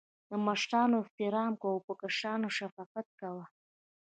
د مشرانو احترام کوه.په کشرانو شفقت کوه